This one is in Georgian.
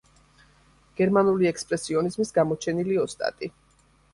გერმანული ექსპრესიონიზმის გამოჩენილი ოსტატი.